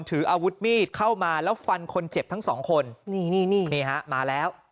ถืออาวุธมีดเข้ามาแล้วฟันคนเจ็บทั้งสองคนนี่นี่นี่ฮะมาแล้ว